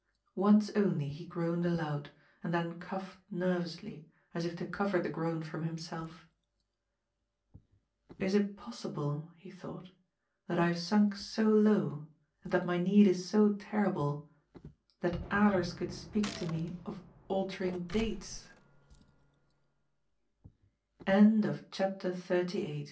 Once only he groaned aloud, and then coughed nervously, as if to cover the groan from himself. " Is it possible," he thought, " that I have sunk so low, and that my need is so terrible, that Alers could speak to me o